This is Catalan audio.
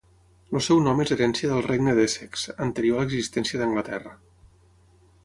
El seu nom és herència del Regne d'Essex, anterior a l'existència d'Anglaterra.